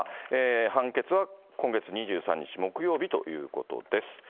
判決は今月２３日木曜日ということです。